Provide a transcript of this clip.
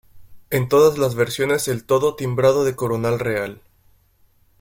En todas las versiones el todo timbrado de Coronal Real.